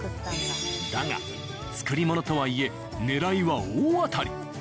だが作り物とはいえねらいは大当たり。